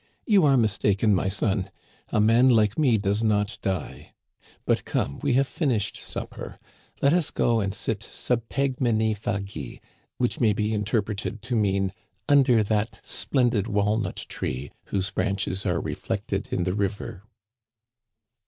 You are mistaken, my son ; a man like me does not die. But come, we have finished supper, let us go and sit sub tegmine fagi^ which may be interpreted to mean, under that splendid walnut tree whose branches are reflected in the river."